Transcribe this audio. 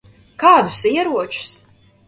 Kādus ieročus?